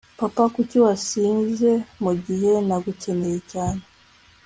papa, kuki wansize mugihe nagukeneye cyane